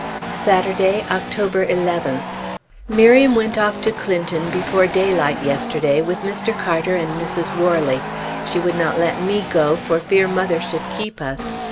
Saturday, October 11th. Miriam went off to Clinton before daylight yesterday, with Mr. Carter and Mrs. Worley. She would not let me go for fear mother should keep us.